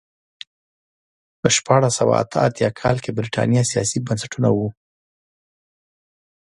په شپاړس سوه اته اتیا کال کې برېټانیا سیاسي بنسټونه وو.